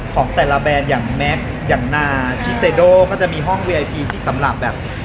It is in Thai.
ของแต่ละแบรนด์อย่างแม็กซ์อย่างนาชิเซโดก็จะมีห้องเวทีที่สำหรับแบบ